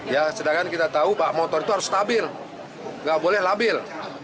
ya sedangkan kita tahu bak motor itu harus stabil nggak boleh labil